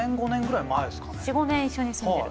４５年一緒に住んでる。